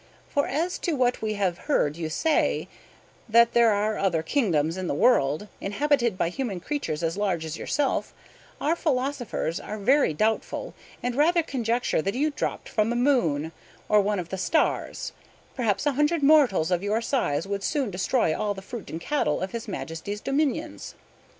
For as to what we have heard you say, that there are other kingdoms in the world, inhabited by human creatures as large as yourself, our philosophers are very doubtful, and rather conjecture that you dropped from the moon, or one of the stars, because a hundred mortals of your size would soon destroy all the fruit and cattle of his Majesty's dominions.